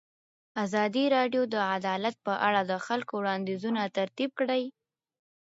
ازادي راډیو د عدالت په اړه د خلکو وړاندیزونه ترتیب کړي.